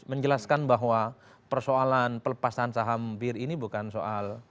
menjelaskan bahwa persoalan pelepasan saham bir ini bukan soal